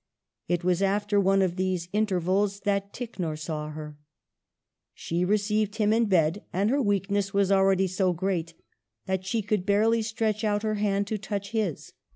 It was after one of these inter vals that Ticknor saw her. She received him in bed, and her weakness was already so great that she could hardly stretch out her hand to touch his.